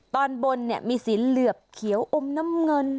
ตอนบนมีสีเหลือบเขียวอมน้ำเงิน